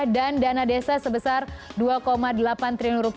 dan dana desa sebesar rp dua delapan triliun